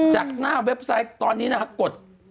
จากหน้าเว็บไซต์ตอนนี้นะฮะกด